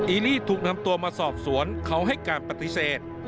ีลี่ถูกนำตัวมาสอบสวนเขาให้การปฏิเสธ